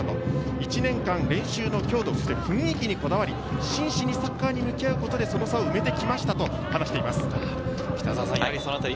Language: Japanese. １年間、練習の強度、雰囲気にこだわり真摯にサッカーに向き合うことで、その差を埋めてきましたと話しています。